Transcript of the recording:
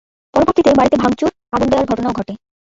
পরবর্তীতে বাড়িঘর ভাঙচুর, আগুন দেয়ার ঘটনাও ঘটে।